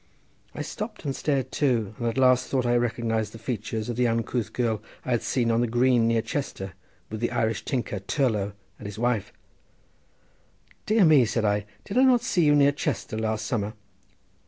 I stopped and stared too, and at last thought I recognised the features of the uncouth girl I had seen on the green near Chester with the Irish tinker Tourlough and his wife. "Dear me!" said I, "did I not see you near Chester last summer?"